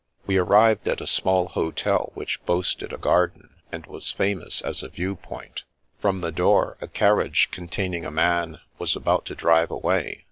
We arrived at a small hotel which boasted a garden, and was famous as a view point. From the door a carriage containing a man was about to drive away.